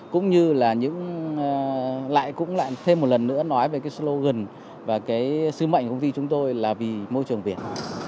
cũng như là lại thêm một lần nữa nói về cái slogan và cái sứ mệnh của công ty chúng tôi là vì môi trường viện